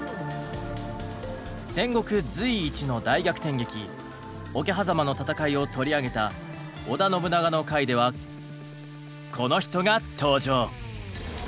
戦国随一の大逆転劇「桶狭間の戦い」を取り上げた織田信長の回ではこの人が登場。